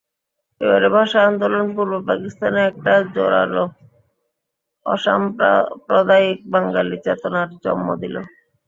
এভাবে ভাষা আন্দোলন পূর্ব পাকিস্তানে একটা জোরালো অসাম্প্রদায়িক বাঙালি চেতনার জন্ম দিল।